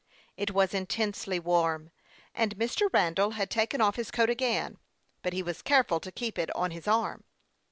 It was intensely warm, and Mr. Randall had taken off nis coat again, but he was eareful to keep it on his arm.